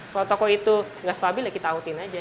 kalau toko itu nggak stabil ya kita autin aja